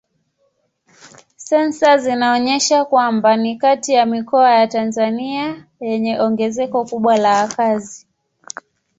Sensa zinaonyesha kwamba ni kati ya mikoa ya Tanzania yenye ongezeko kubwa la wakazi.